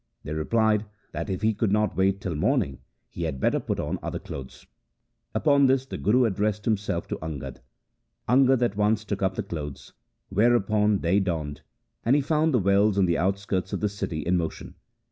They replied, that, if he could not wait till morning, he had better put on other clothes. Upon this the Guru addressed himself to Angad. Angad at once took up the clothes, where upon day dawned, and he found the wells on the outskirts of the city in motion.